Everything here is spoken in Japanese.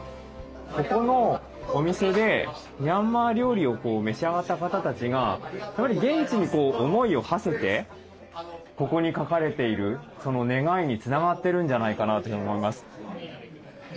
ここのお店でミャンマー料理を召し上がった方たちが現地に思いをはせてここに書かれているその願いにつながってるんじゃないかなというふうに思います。